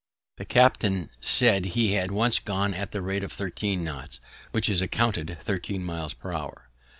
The captain said she had once gone at the rate of thirteen knots, which is accounted thirteen miles per hour.